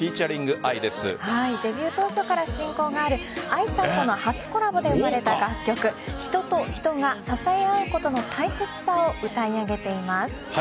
デビュー当初から親交があるＡＩさんとの初コラボで生まれた楽曲人と人が支え合うことの大切さを歌い上げています。